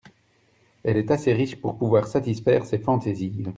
Elle est assez riche pour pouvoir satisfaire ses fantaisies.